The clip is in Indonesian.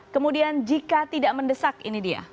kemudian jika tidak mendesak ini dia